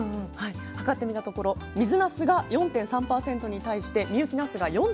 測ってみたところ水なすが４．３％に対して深雪なすが４．９％ありました。